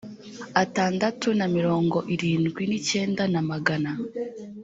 atandatu na mirongo irindwi n icyenda na magana